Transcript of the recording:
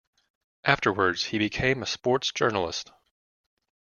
Afterwards, he became a sports journalist.